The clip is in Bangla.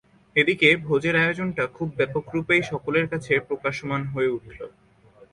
এ দিকে ভোজের আয়োজনটা খুব ব্যাপকরূপেই সকলের কাছে প্রকাশমান হয়ে উঠল।